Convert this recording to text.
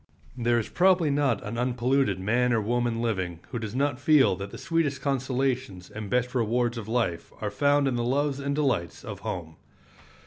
There is probably not an unpolluted man or woman living who does not feel that the sweetest consolations and best rewards of life are found in the loves and delights of home.